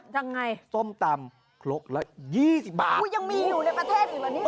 ยังไงส้มตำคลกละ๒๐บาทอุ้ยยังมีอยู่ในประเทศอีกหรอ